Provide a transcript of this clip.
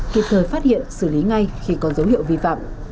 kịp thời phát hiện xử lý ngay khi có dấu hiệu vi phạm